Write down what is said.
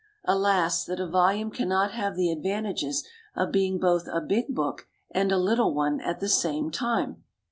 Alas that a volume cannot have the advantages of being both a big book and a little one at the same time!